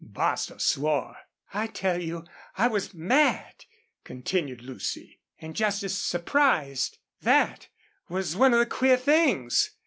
'" Bostil swore. "I tell you I was mad," continued Lucy, "and just as surprised. That was one of the queer things.